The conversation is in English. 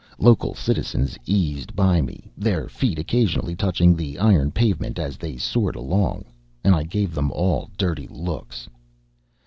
Local citizens eased by me, their feet occasionally touching the iron pavement as they soared along, and I gave them all dirty looks.